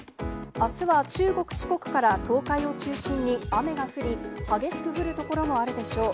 あすは中国、四国から東海を中心に雨が降り、激しく降る所もあるでしょう。